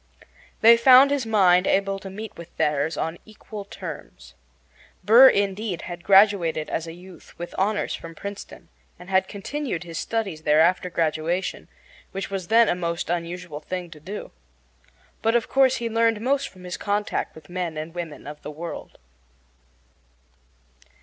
They found his mind able to meet with theirs on equal terms. Burr, indeed, had graduated as a youth with honors from Princeton, and had continued his studies there after graduation, which was then a most unusual thing to do. But, of course, he learned most from his contact with men and women of the world.